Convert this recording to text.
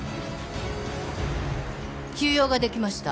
急用ができました。